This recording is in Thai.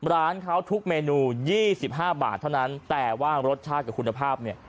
ร้านเขาทุกเมนู๒๕บาทเท่านั้นแต่ว่ารสชาติกับคุณภาพเนี่ย